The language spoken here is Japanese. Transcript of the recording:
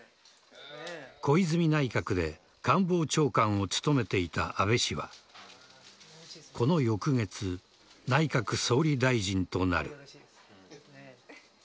小泉内閣で官房長官を務めていた安倍氏はこの翌月、内閣総理大臣となる。